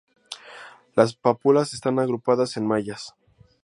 Las pápulas están agrupadas en mallas.